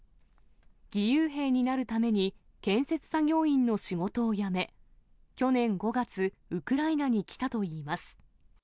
義勇兵になるために、建設作業員の仕事を辞め、去年５月、ウクライナに来たといいます。